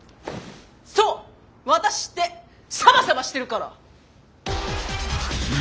そうワタシってサバサバしてるから！